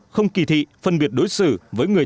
không kì thị phân biệt đối xử với người